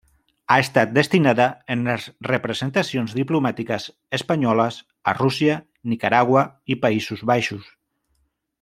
Ha estat destinada en les representacions diplomàtiques espanyoles a Rússia, Nicaragua i Països Baixos.